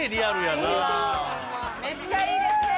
めっちゃいいですね。